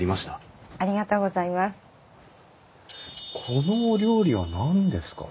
このお料理は何ですか？